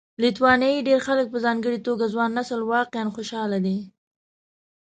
لیتوانیا کې ډېر خلک په ځانګړي توګه ځوان نسل واقعا خوشاله دي